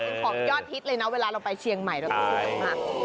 เป็นของยอดฮิตเลยนะเวลาเราไปเชียงใหม่เราต้องสวยมาก